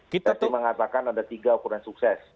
kita mengatakan ada tiga ukuran sukses